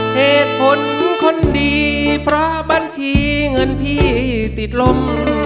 เหตุผลคนดีเพราะบัญชีเงินพี่ติดลม